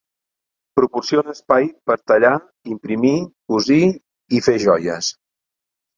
Proporciona espai per a tallar, imprimir, cosir i fer joies.